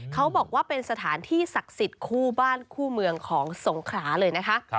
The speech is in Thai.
เขาบอกว่าเป็นสถานที่ศักดิ์สิทธิ์คู่บ้านคู่เมืองของสงขราเลยนะคะ